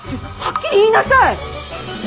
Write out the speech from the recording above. はっきり言いなさい！